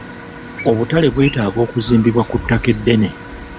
Obutale bwetaaga okuzimbibwa ku ttaka eddene.